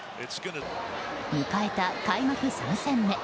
迎えた開幕３戦目。